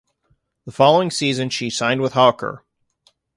The following season she signed with Haukar.